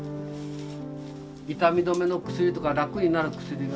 痛み止めの薬とか楽になる薬が入っていくの。